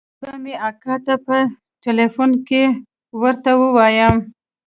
زه به مې اکا ته په ټېلفون کښې ورته ووايم.